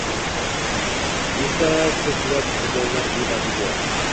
esa ko‘plab qurbonlar evaziga